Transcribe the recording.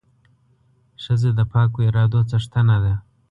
ښځه د پاکو ارادو څښتنه ده.